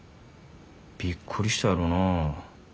びっくりしたやろな。